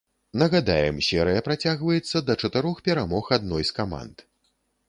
Нагадаем, серыя працягваецца да чатырох перамог адной з каманд.